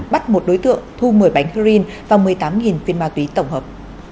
bắt một đối tượng thu một mươi bánh heroin và một mươi tám viên ma túy tổng hợp